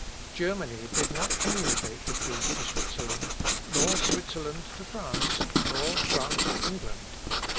Germany did not communicate the truth to Switzerland, nor Switzerland to France, nor France to England.